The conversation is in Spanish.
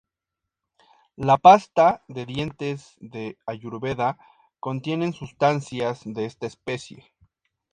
La pasta de dientes de Ayurveda contienen sustancias de esta especie.